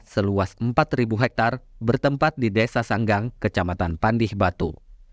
seluas empat hektare bertempat di desa sanggang kecamatan pandih batu